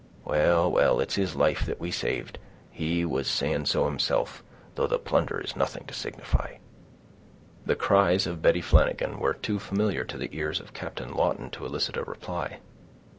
Well, well, it's his life that we saved, he was saying so himself—though the plunder is nothing to signify." The cries of Betty Flanagan were too familiar to the ears of Captain Lawton to elicit a reply.